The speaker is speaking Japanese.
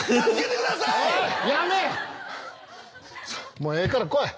もうええから来い。